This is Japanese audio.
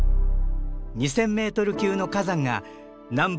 ２，０００メートル級の火山が南北